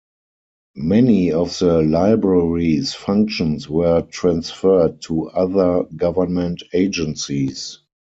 Many of the Library's functions were transferred to other government agencies.